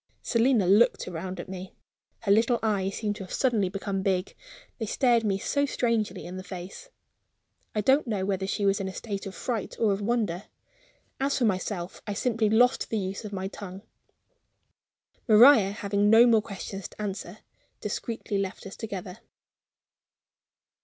Selina looked round at me. Her little eyes seemed to have suddenly become big, they stared me so strangely in the face. I don't know whether she was in a state of fright or of wonder. As for myself, I simply lost the use of my tongue. Maria, having no more questions to answer, discreetly left us together.